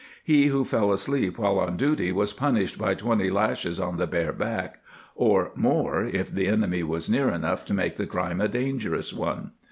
He who fell asleep while on duty was punished by twenty lashes on the bare back, or more if the enemy was near enough to make the crime a dangerous one.''